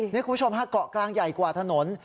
นี่คุณผู้ชมฮะเกาะกลางใหญ่กว่าถนน